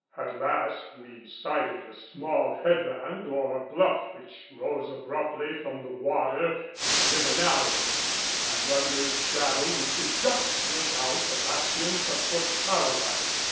At last we sighted a small headland or bluff which rose abruptly from the water where the river narrowed, and under its shadow we could just make out the bastions of Fort Caroline.